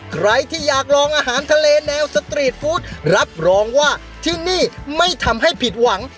ใครที่อยากลองอาหารทะเลแนวสตรีทฟู้ดรับรองว่าที่นี่ไม่ทำให้ผิดหวัง